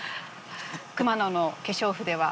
熊野の化粧筆は。